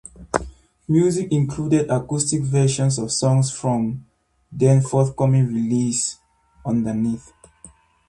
Music included acoustic versions of songs from the then-forthcoming release, "Underneath".